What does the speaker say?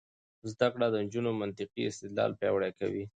زده کړه د نجونو منطقي استدلال پیاوړی کوي.